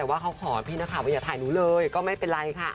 แต่ว่าเขาขอพี่นักข่าวว่าอย่าถ่ายหนูเลยก็ไม่เป็นไรค่ะ